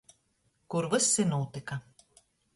Kur vyss i nūtyka.